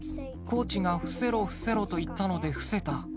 コーチが伏せろ伏せろと言ったので、伏せた。